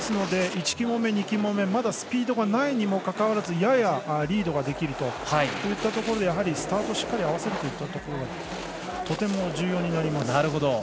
１旗門目、２旗門目スピードがないにもかかわらずややリードができるといったところでスタートをしっかり合わせるのがとても重要になります。